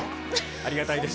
ありがたいです。